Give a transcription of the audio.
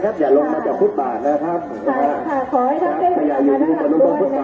กับนี้เลยค่ะลองมาจากกรทมแล้วเนี่ยค่ะ